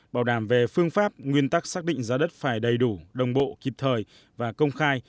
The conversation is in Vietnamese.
bảo đảm về phương pháp nguyên tắc xác định giá đất phải đầy đủ đồng bộ kịp thời và công khai